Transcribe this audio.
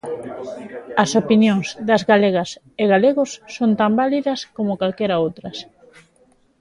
As opinións das galegas e galegos son tan válidas como calquera outras.